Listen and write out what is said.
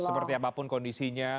seperti apapun kondisinya